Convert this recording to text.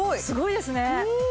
すごいですね